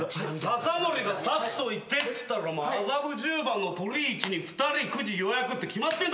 刺森がさしといてっつったら麻布十番のトリイチに２人９時予約って決まってんだろ。